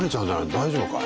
大丈夫かい？